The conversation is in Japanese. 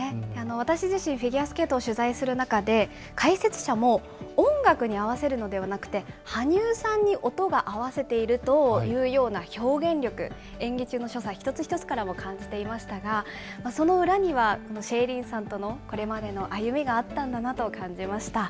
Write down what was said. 私自身、フィギュアスケートを取材する中で、解説者も音楽に合わせるのではなくて、羽生さんに音が合わせているというような表現力、演技中の所作、一つ一つからも感じていましたが、その裏には、シェイリーンさんとのこれまでの歩みがあったんだなと感じます。